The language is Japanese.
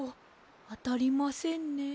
あたりませんね。